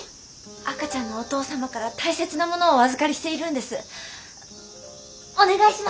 赤ちゃんのお父様から大切なものをお預かりしているんです。